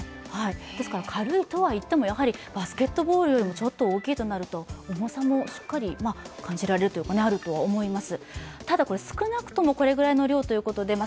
ですから軽いとはいってもバスケットボールよりもちょっと大きいとなりますと重さもしっかりあると思います。